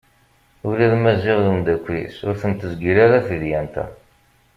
Ula d Maziɣ d umddakel-is ur ten-tezgil ara tedyant-a.